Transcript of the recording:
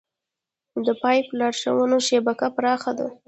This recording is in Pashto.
د پایپ لاینونو شبکه پراخه ده.